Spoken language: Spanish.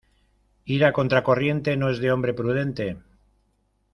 Ir contracorriente no es de hombre prudente.